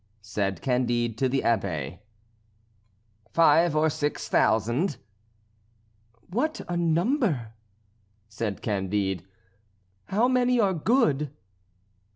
said Candide to the Abbé. "Five or six thousand." "What a number!" said Candide. "How many good?"